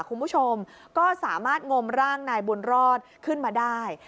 คุณผู้ชมก็สามารถงมร่างนายบุญรอดขึ้นมาได้